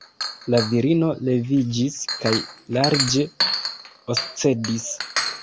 La virino leviĝis kaj larĝe oscedis.